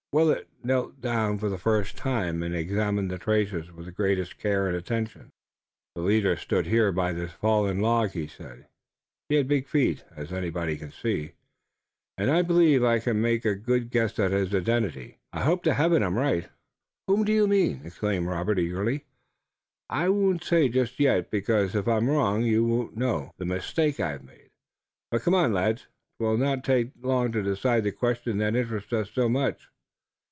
Willet knelt down for the first time, and examined the traces with the greatest care and attention. "The leader stood here by this fallen log," he said, "He had big feet, as anybody can see, and I believe I can make a good guess at his identity. I hope to Heaven I'm right!" "Whom do you mean?" exclaimed Robert eagerly. "I won't say just yet, because if I'm wrong you won't know the mistake I've made. But come on, lads. 'Twill not take long to decide the question that interests us so much."